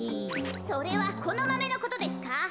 それはこのマメのことですか？